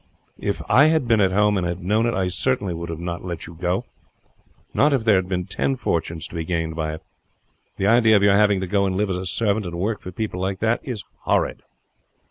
If I had been at home and had known it, I certainly would not have let you go, not if there had been ten fortunes to be gained by it. The idea of your having to go and live as a servant, and work for people like that is horrid!"